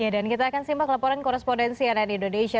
dan kita akan simpang laporan korespondensi rni indonesia